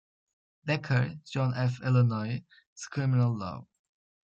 Decker, John F. Illinois Criminal Law.